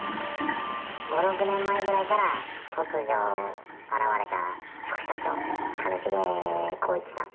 ５、６年前ぐらいから突如、現れた副社長、兼重宏一さん。